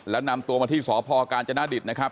แล้วนำตัวมาที่สพกาญจนดิตนะครับ